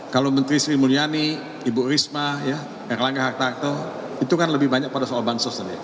kalau menteri sri mulyani ibu risma ya yang melanggar harta harta itu kan lebih banyak pada soal bansos